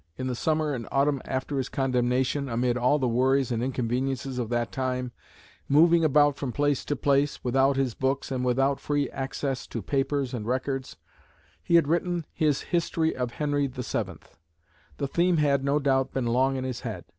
In the summer and autumn after his condemnation, amid all the worries and inconveniences of that time, moving about from place to place, without his books, and without free access to papers and records, he had written his History of Henry VII. The theme had, no doubt, been long in his head.